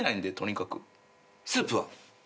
スープは？